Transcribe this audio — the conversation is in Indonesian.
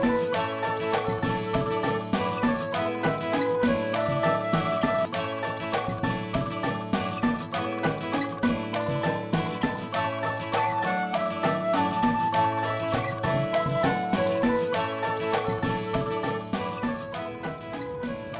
eh terserah yang wow